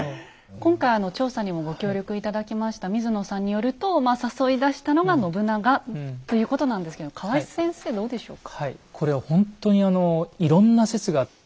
今回調査にもご協力頂きました水野さんによるとまあ誘い出したのが信長ということなんですけど河合先生どうでしょうか？